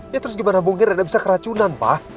ya terus gimana mungkin reyna bisa keracunan pak